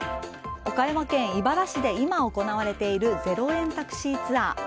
岡山県井原市で今行われている０円タクシーツアー。